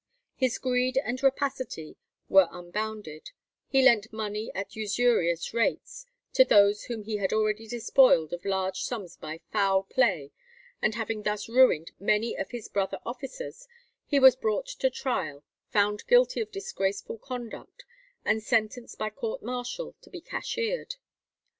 His greed and rapacity were unbounded; he lent money at usurious rates to those whom he had already despoiled of large sums by foul play, and having thus ruined many of his brother officers, he was brought to trial, found guilty of disgraceful conduct, and sentenced by court martial to be cashiered.